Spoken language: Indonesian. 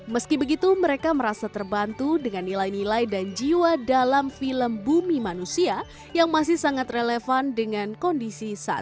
meski begitu mereka merasa terbantu dengan nilai nilai dan jiwa dalam film bumi manusia yang masih sangat relevan dengan kondisi saat ini